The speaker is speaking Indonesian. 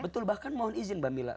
betul bahkan mohon izin mbak mila